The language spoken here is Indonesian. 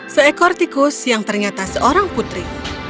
seekor tikus yang ternyata seorang putri